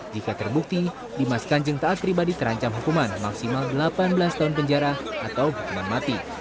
jika terbukti dimas kanjeng taat pribadi terancam hukuman maksimal delapan belas tahun penjara atau hukuman mati